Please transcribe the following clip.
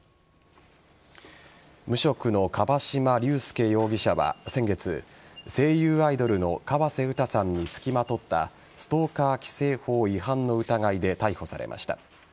無職の樺島隆介容疑者は先月声優アイドルの河瀬詩さんに付きまとったストーカー規制法違反の疑いで逮捕されました。